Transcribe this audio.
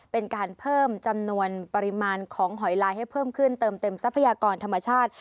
เป็นการเพิ่มจำนวนปริมาณของหอยลายให้เพิ่มขึ้นเติมเต็มทรัพยากรธรรมชาติ